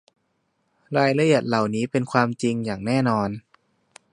รายละเอียดเหล่านี้เป็นความจริงอย่างแน่นอน